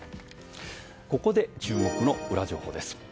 ここで注目のウラ情報です。